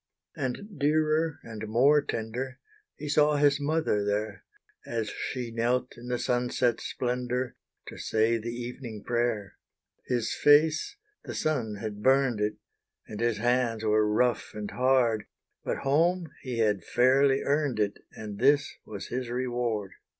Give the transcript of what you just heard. And dearer and more tender, He saw his mother there, As she knelt in the sunset splendour, To say the evening prayer. His face the sun had burned it, And his hands were rough and hard, But home, he had fairly earned it, And this was his reward!